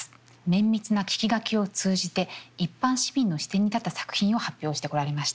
綿密な聞き書きを通じて一般市民の視点に立った作品を発表してこられました。